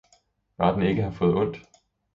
Bare den ikke har fået ondt!